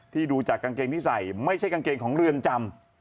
ดูจากกางเกงที่ใส่ไม่ใช่กางเกงของเรือนจำ